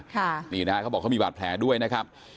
เขาบอกว่ามีบาดแผลด้วยนะครับ